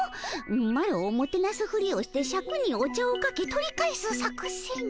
マロをもてなすふりをしてシャクにお茶をかけ取り返す作戦？